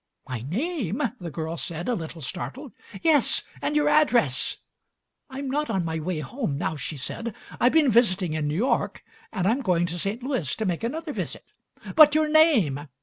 "My name?" the girl said, a little startled. "Yes! And your address!" Digitized by Google MARY SMITH 159 "I'm not on my way home now," she said. "I've been visiting in New York and I'm going to St. Louis to make another visit." "But your name!"